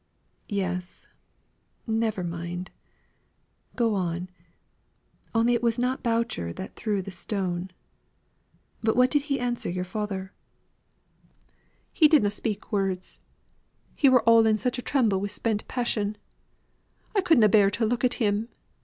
"Yes. Never mind. Go on. Only it was not Boucher that threw the stone. But what did he answer to your father?" "He did na' speak words. He were all in such a tremble wi' spent passion, I could na' bear to look at him.